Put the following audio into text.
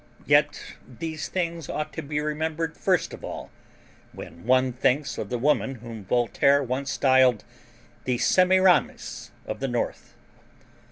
Yet these things ought to be remembered first of all when one thinks of the woman whom Voltaire once styled "the Semiramis of the North."